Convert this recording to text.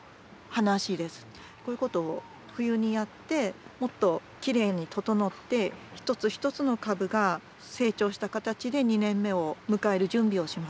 こういうことを冬にやってもっときれいに整って一つ一つの株が成長した形で２年目を迎える準備をします。